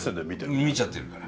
うん見ちゃってるから。